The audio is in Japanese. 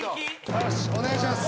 よしお願いします。